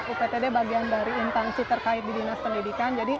uptd bagian dari intansi terkait di dinas pendidikan